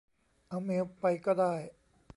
เอาเมล์ไปก้อได้